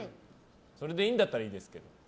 それでいいんだったらいいですけど。